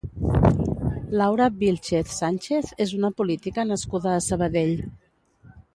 Laura Vílchez Sánchez és una política nascuda a Sabadell.